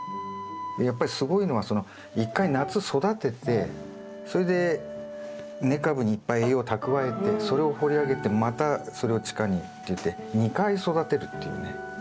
やっぱりすごいのは一回夏育ててそれで根株にいっぱい栄養を蓄えてそれを掘り上げてまたそれを地下にっていって２回育てるっていうね。